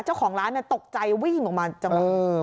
เจ้าของร้านตกใจวิ่งออกมาจังหวะ